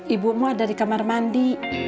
ibumu ada di kamar mandi